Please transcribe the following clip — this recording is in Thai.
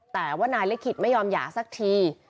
แต่ว่านายลิขิตไม่ยอมหย่าสักที